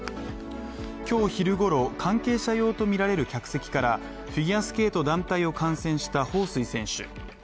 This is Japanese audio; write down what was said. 今日昼頃、関係者用とみられる客席からフィギュアスケート団体を観戦した彭帥選手。